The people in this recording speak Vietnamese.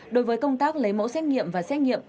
đối với công tác lấy mẫu xét nghiệm và xét nghiệm